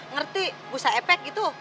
ngerti brusa efek itu